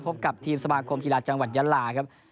พบกับทีมสมาคมกีฬาจังหวัดยาลาครับ